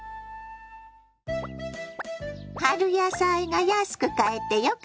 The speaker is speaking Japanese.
春野菜が安く買えてよかったわ。